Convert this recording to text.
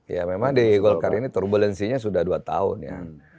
ya memang di golkar ini turbulensinya sudah dua tahun ya